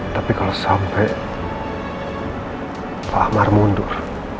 tapi kalau sampai pak mar mundur